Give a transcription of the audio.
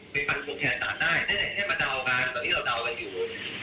ไปพันธุแผนศาลได้ได้แค่มาเดาการต่อที่เราเดากันอยู่